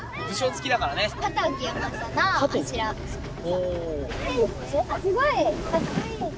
お！